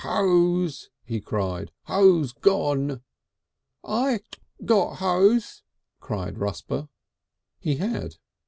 "Hose!" he cried. "Hose gone!" "I (kik) got hose!" cried Rusper. He had.